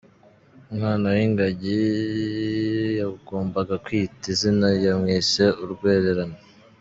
Umwana w’Ingagi yagombaga kwita izina yamwise “Urwererane”.